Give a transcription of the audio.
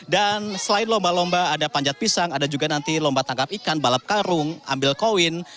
dan selain lomba lomba ada panjat pisang ada juga nanti lomba tangkap ikan balap karung ambil koin